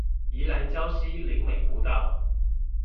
宜蘭礁溪林美步道